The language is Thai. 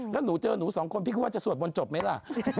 แล้วหนูเจอหนู๒คนพี่คือว่าจะสวดมนตร์จบมั้ยล่ะ